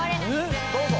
どうぞ。